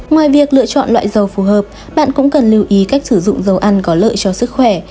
ngoài việc lựa chọn loại dầu phù hợp bạn cũng cần lưu ý cách sử dụng dầu ăn có lợi cho sức khỏe